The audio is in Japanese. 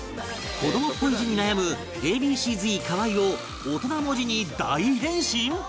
子どもっぽい字に悩む Ａ．Ｂ．Ｃ−Ｚ 河合を大人文字に大変身？